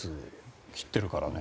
切ってるからね。